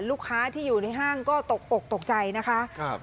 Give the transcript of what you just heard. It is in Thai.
ลูกค้าที่อยู่ในห้างก็ตกอกตกใจนะคะ